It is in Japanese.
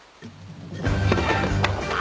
あ！